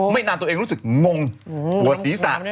ไม่นานตัวเองรู้สึกงงปวดศีรษะ